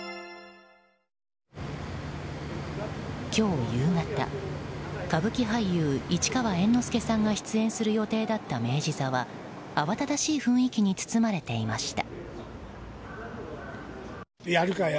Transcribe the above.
今日夕方、歌舞伎俳優市川猿之助さんが出演する予定だった明治座は慌ただしい雰囲気に包まれていました。